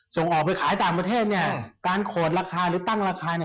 ส่งออกไปขายต่างประเทศเนี่ยการโขดราคาหรือตั้งราคาเนี่ย